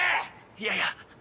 いやいや。